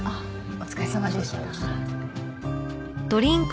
お疲れさまでした。